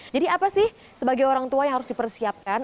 jadi apa sih sebagai orang tua yang harus dipersiapkan